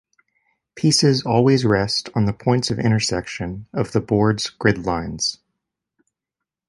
Pieces always rest on the points of intersection of the board's grid lines.